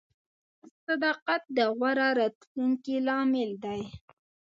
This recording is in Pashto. • صداقت د غوره راتلونکي لامل دی.